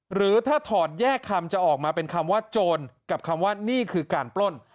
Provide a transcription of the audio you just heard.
หรือถ้าถอดแยกคำจะออกมาเป็นคำว่าโจรกับคำว่านี่คือการปล้น